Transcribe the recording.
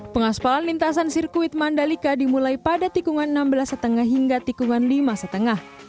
pengaspalan lintasan sirkuit mandalika dimulai pada tikungan enam belas lima hingga tikungan lima lima